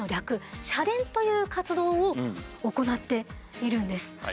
シャレン！という活動を行っているんです。